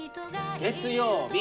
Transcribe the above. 月曜日。